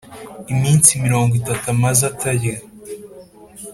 iminsi mirongo itatu amaze atarya